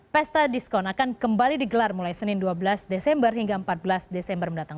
pesta diskon akan kembali digelar mulai senin dua belas desember hingga empat belas desember mendatang